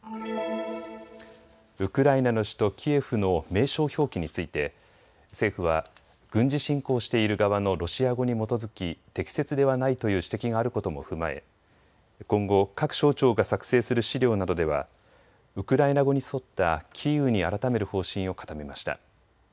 ウクライナの首都キエフの名称表記について政府は軍事侵攻している側のロシア語に基づき適切ではないという指摘があることも踏まえ今後、各省庁が作成する資料などではウクライナ語に沿ったキーウに改める方針を固めました。